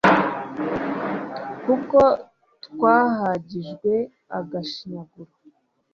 kuko twahagijwe agashinyaguro